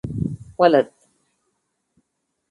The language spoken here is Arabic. إن أحب سفل أشرار